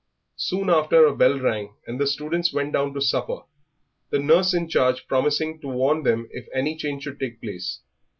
Soon after a bell rang, and the students went down to supper, the nurse in charge promising to warn them if any change should take place.